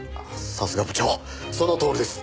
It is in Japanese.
さすが部長そのとおりです。